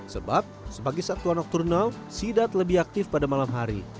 sebab sebagai satuan okturnal sidat lebih aktif pada malam hari